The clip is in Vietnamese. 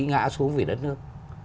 ngã xuống về đất nước